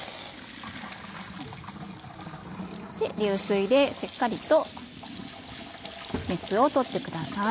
流水でしっかりと熱を取ってください。